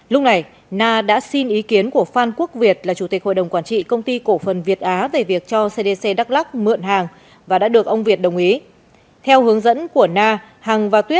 lúc này na đã xin ý kiến của phan quốc việt là chủ tịch hội đồng quản trị công ty cổ phần việt á về việc cho cdc đắk lắc mượn hàng và đã được ông việt đồng ý